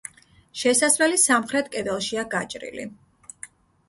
შესასვლელი სამხრეთ კედელშია გაჭრილი.